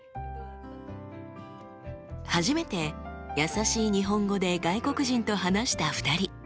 初めてやさしい日本語で外国人と話した２人。